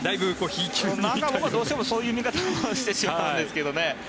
どうしてもそういう見方をしてしまうんですけどね。